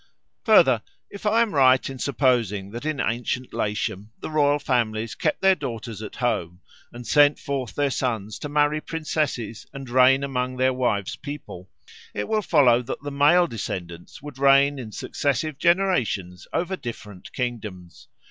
Further, if I am right in supposing that in ancient Latium the royal families kept their daughters at home and sent forth their sons to marry princesses and reign among their wives' people, it will follow that the male descendants would reign in successive generations over different kingdoms.